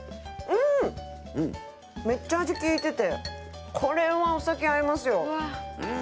めっちゃ味きいててこれはお酒合いますよ。